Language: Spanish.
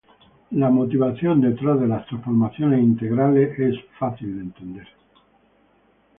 La motivación detrás de las transformaciones integrales es fácil de entender.